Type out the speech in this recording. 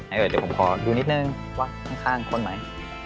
เอ่ยเดี๋ยวผมขอดูนิดนึงวะข้างคลนไหม